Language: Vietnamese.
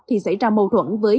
thì xảy ra mâu thuẫn với